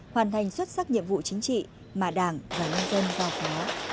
hoàn thành xuất sắc nhiệm vụ chính trị mà đảng và nhân dân giao phó